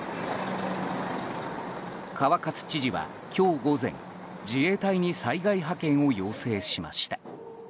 川勝知事は今日午前、自衛隊に災害派遣を要請しました。